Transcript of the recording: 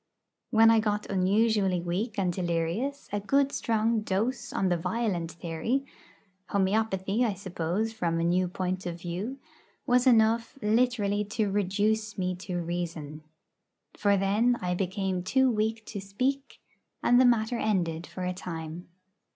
When I got unusually weak and delirious a good strong dose on the 'violent' theory homœopathy, I suppose, from a new point of view was enough, literally, to reduce me to reason. For then I became too weak to speak, and the matter ended for a time.